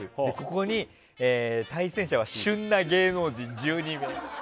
ここに対戦者は旬な芸能人１２名。